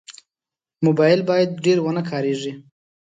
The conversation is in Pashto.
موبایل باید ډېر ونه کارېږي.